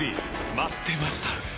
待ってました！